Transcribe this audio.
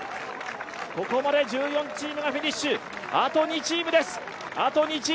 ここまで１４チームがフィニッシュ、あと２チーム。